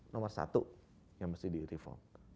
nomor satu yang mesti di reform